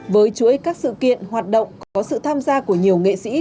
với chuỗi các sự kiện hoạt động có sự tham gia của nhiều nghệ sĩ